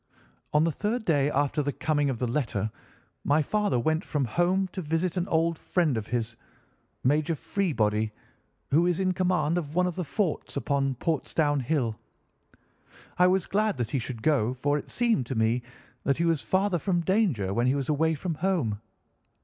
"On the third day after the coming of the letter my father went from home to visit an old friend of his, Major Freebody, who is in command of one of the forts upon Portsdown Hill. I was glad that he should go, for it seemed to me that he was farther from danger when he was away from home.